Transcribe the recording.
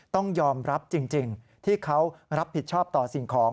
ต้องยอมรับจริงที่เขารับผิดชอบต่อสิ่งของ